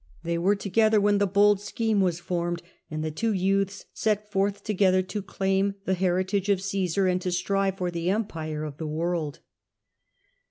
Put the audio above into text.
They were together when the bold scheme was formed and the two youths set forth together to claim the heritage of Caesar and to strive for the empire of the world.